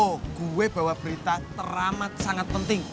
oh gue bawa berita teramat sangat penting